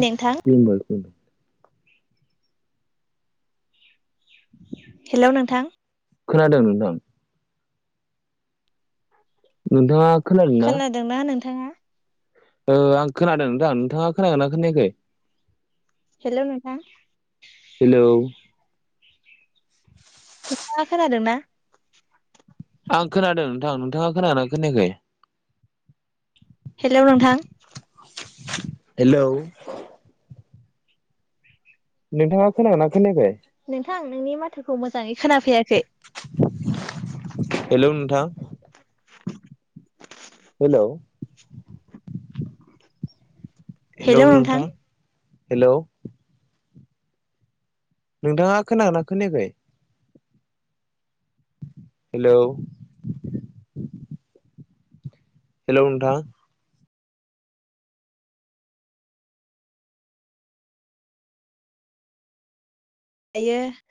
नोंथां मन बायखौ हेल' नोंथां खोनादों नोंदां नोंथा खोनदोंना नोंथाङा आं खोनादोंदां नोंथाङा खोनागोनना खोनायाखै हेल' नेथा हेलौ ना खोनादोंना आं खोनादों नोंथां नोंथाङा खोना खोनायाखै हेल' नोंथां हेलौ नोंथाङा खोनायोना खोनायाखाय नोंथां नोंनि माथोखौ मोजाङै खोनाफैयाखै हेल' नोंथां हेल' हेलौ हेल' नोंथां नथा हेल' नोंथाङा खोनना खोनायाखै हेलौ हेलौ नोंथां आयो